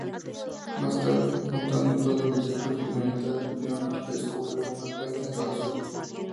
Más tarde, juntando todo el equipo experimental, Leonard descubre una carta en la basura.